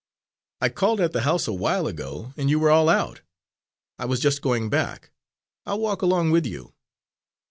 "I called at the house a while ago, and you were all out. I was just going back. I'll walk along with you."